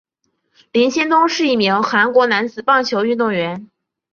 林仙东是一名韩国男子棒球运动员。